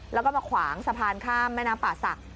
แล้วก็มาขวางสะพานข้ามแม่น้ำป่าศักดิ